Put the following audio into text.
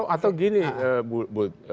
atau gini bu